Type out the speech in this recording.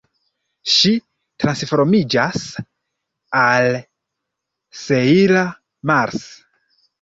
Ŝi transformiĝas al Sejla Mars.